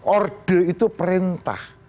orde itu perintah